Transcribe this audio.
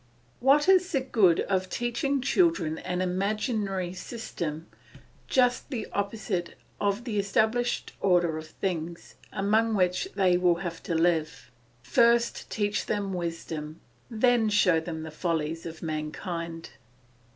What is the good of teaching children an imaginary system, just the opposite of the established order of things, among which they will have to live? First teach them wisdom, then show them the follies of mankind."